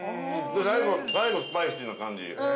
最後、スパイシーな感じ。